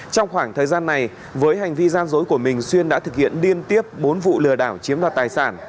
trong khoảng thời gian này với hành vi gian dối của mình xuyên đã thực hiện liên tiếp bốn vụ lừa đảo chiếm đoạt tài sản